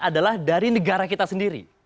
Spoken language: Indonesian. adalah dari negara kita sendiri